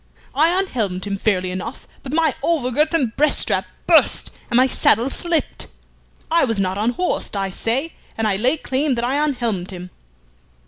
"I unhelmed him fairly enough, but my over girth and breast strap burst, and my saddle slipped. I was not unhorsed, I say, and I lay claim that I unhelmed him."